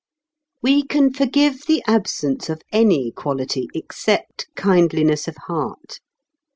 We can forgive the absence of any quality except kindliness of heart.